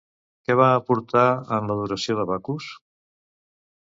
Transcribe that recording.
Què va aportar en l'adoració de Bacus?